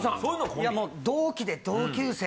いやもう同期で同級生。